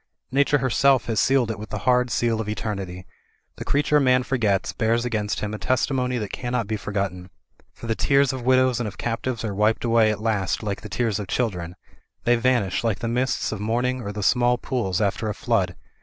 Nature herself has sealed it with the hard seal of eternity. The creature man forgets bears against him a testimony that cannot be forgotten. For the tears of widows and of captives are wiped away at last like the tears of children. They vanish like the mists of morning or the small pools after a flood.